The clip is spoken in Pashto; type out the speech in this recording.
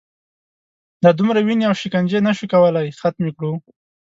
دا دومره وینې او شکنجې نه شو کولای ختمې کړو.